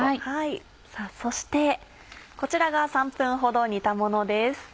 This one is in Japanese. さぁそしてこちらが３分ほど煮たものです。